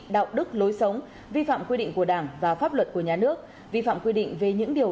đạo đức lối sống vi phạm quy định của đảng và pháp luật của nhà nước vi phạm quy định về những điều